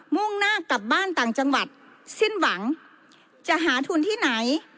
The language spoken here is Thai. มุ่งหน้ากลับบ้านต่างจังหวัดสิ้นหวังจะหาทุนที่ไหน